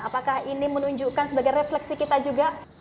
apakah ini menunjukkan sebagai refleksi kita juga